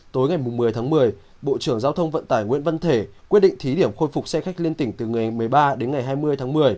tối ngày một mươi tháng một mươi bộ trưởng giao thông vận tải nguyễn văn thể quyết định thí điểm khôi phục xe khách liên tỉnh từ ngày một mươi ba đến ngày hai mươi tháng một mươi